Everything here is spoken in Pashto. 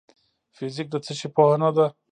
فزیک د څه شي پوهنه ده؟